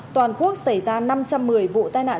toàn quốc xảy ra năm trăm một mươi vụ tai nạn